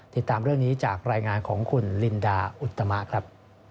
ติดตามเรื่องนี้จากรายงานของคุณลินดาอุตมะครับ